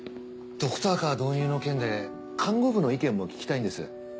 ドクターカー導入の件で看護部の意見も聞きたいんです。